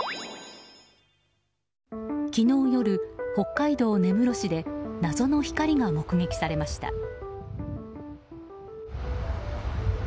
昨日の夜、北海道根室市で謎の光が目撃されました。